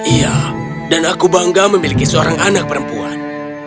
iya dan aku bangga memiliki seorang anak perempuan